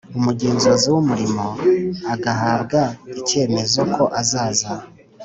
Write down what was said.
Umugenzuzi w Umurimo agahabwa icyemezo ko azaza